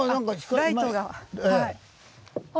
ライトが。あ。